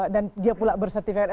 dan dia pula bersertifikat